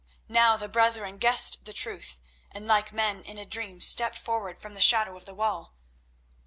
Now the brethren guessed the truth, and, like men in a dream, stepped forward from the shadow of the wall.